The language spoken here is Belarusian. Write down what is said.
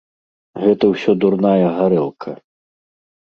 Гэта ўсё дурная гарэлка.